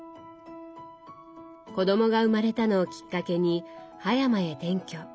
子どもが生まれたのをきっかけに葉山へ転居。